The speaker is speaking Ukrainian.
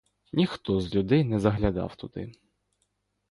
Ніхто з людей не заглядав туди.